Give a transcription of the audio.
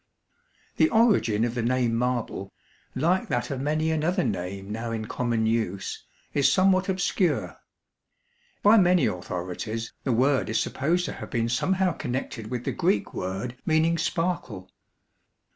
The origin of the name marble, like that of many another name now in common use, is somewhat obscure. By many authorities the word is supposed to have been somehow connected with the Greek word meaning "sparkle."